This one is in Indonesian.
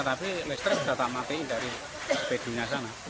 tapi listrik sudah tak matiin dari spedunya sana